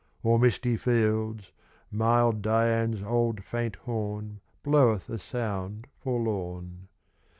O'er misty fields, mild Dian's old faint horn Bloweth a sound forlorn.